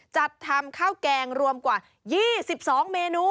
จัดทำข้าวแกงรวมกว่า๒๒เมนู